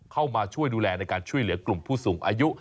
เข้ามาช่วยดูแลในการช่วยเหลือกลุ่มผู้สูงอายุ